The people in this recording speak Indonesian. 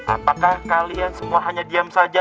apakah kalian semua hanya diam saja